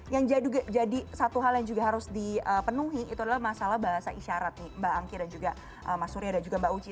yang jadi satu hal yang juga harus dipenuhi itu adalah masalah bahasa isyarat nih mbak angki dan juga mas surya dan juga mbak uci